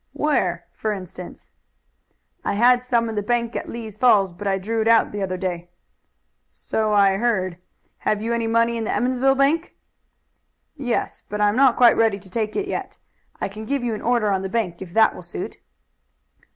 "Where, for instance?" "I had some in the bank at Lee's Falls, but I drew it out the other day." "So I heard. Have you any money in the Emmonsville bank?" "Yes, but I am not quite ready to take it yet. I can give you an order on the bank if that will suit."